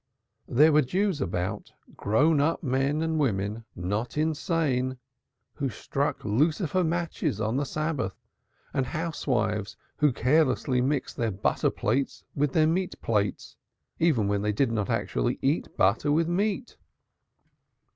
There were Jews about grown up men and women, not insane who struck lucifer matches on the Sabbath and housewives who carelessly mixed their butter plates with their meat plates even when they did not actually eat butter with meat.